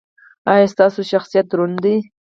ایا ستاسو شخصیت دروند دی؟